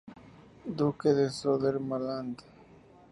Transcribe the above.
Duque de Södermanland.